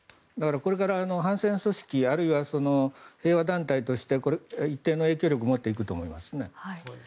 だからこれから反戦組織あるいは平和団体として一定の影響力を持っていくと思いますね。